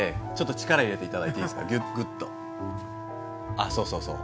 あっそうそうそう。